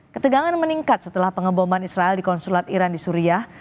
ketegangan meningkat setelah pengeboman israel di konsulat iran di suriah